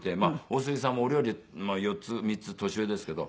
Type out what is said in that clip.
大杉さんも俺よりも４つ３つ年上ですけど。